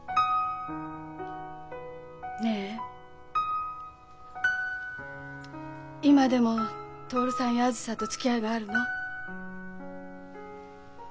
ねえ今でも徹さんやあづさとつきあいがあるの？